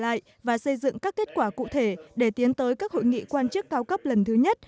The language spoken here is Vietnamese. đồng thời việt nam sẽ có những kết quả và sản phẩm cụ thể để tiến tới các hội nghị quan chức cao cấp lần thứ nhất